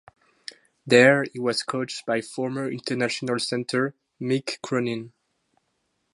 There he was coached by former international centre Mick Cronin.